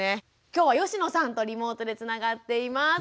今日は吉野さんとリモートでつながっています。